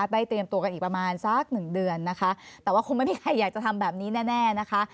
เตรียมตัวกันอีกประมาณสักหนึ่งเดือนนะคะแต่ว่าคงไม่มีใครอยากจะทำแบบนี้แน่นะคะ